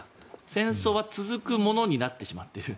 戦争は続くものになってしまっている。